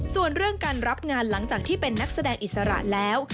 ส่วนเรื่องการรับงานหลังจากที่เป็นนักแสดงอิสระแล้ว